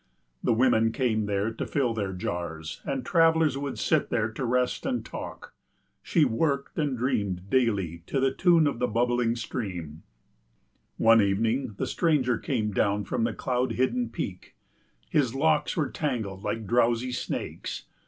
The women came there to fill their jars, and travellers would sit there to rest and talk. She worked and dreamed daily to the tune of the bubbling stream. One evening the stranger came down from the cloud hidden peak; his locks were tangled like drowsy snakes.